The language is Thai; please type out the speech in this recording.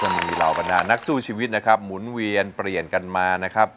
มีเหล่าบรรดานักสู้ชีวิตนะครับหมุนเวียนเปลี่ยนกันมานะครับ